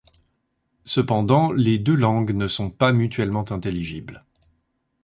Cependant, les deux langues ne sont pas mutuellement intelligibles.